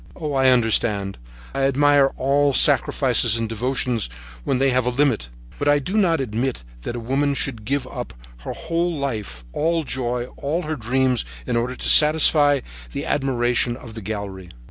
Oh, I understand, I admire all sacrifices and devotions when they have a limit, but I do not admit that a woman should give up her whole life, all joy, all her dreams, in order to satisfy the admiration of the gallery.